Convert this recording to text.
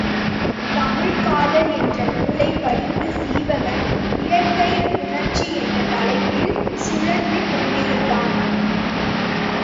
தமிழ்க் காதல் என்ற நூலைப் படித்துச் சீவகன் இயற்கைப் புணர்ச்சி என்ற தலைப்பில் சுழன்று கொண்டிருந்தான்.